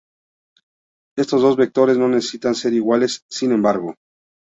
Estos dos vectores no necesitan ser iguales, sin embargo.